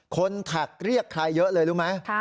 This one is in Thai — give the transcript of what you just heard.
แท็กเรียกใครเยอะเลยรู้ไหม